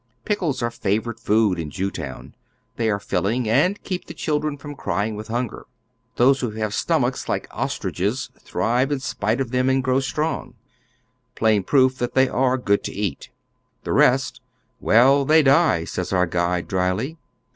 Pickles are favorite food in Jewtown. They are filling, and keep the children from crying with hunger. Those who have stomachs like ostriches thrive in spite of them and grow sti'Ong — plain proof that tliey are good to eat. The rest ?" Well, they die," says our guide, dryly.